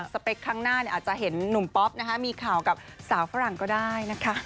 เปคข้างหน้าอาจจะเห็นหนุ่มป๊อปนะคะมีข่าวกับสาวฝรั่งก็ได้นะคะ